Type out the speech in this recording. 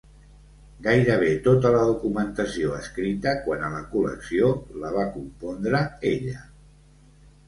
Gairebé tota la documentació escrita quant a la col·lecció la va compondre ella.